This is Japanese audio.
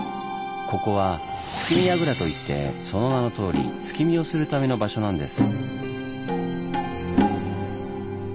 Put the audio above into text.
ここは「月見櫓」といってその名のとおり月見をするための場所なんです。